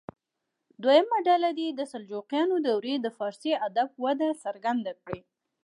دویمه ډله دې د سلجوقیانو دورې د فارسي ادب وده څرګنده کړي.